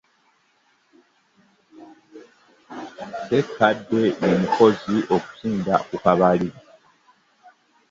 Saekkadde ye mukozi okusinga ku Kabali.